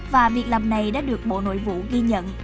và việc làm này đã được bộ nội vụ ghi nhận